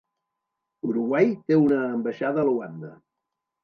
Uruguai té una ambaixada a Luanda.